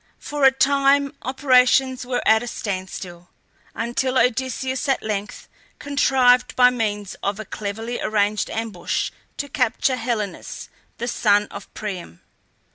For a time operations were at a standstill, until Odysseus at length, contrived by means of a cleverly arranged ambush to capture Helenus, the son of Priam.